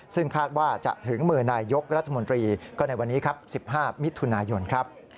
ซึ่งคาดว่าจะถึงมือนายยกรัฐมนตรีก็ในวันนี้ครับ๑๕มิถุนายนครับ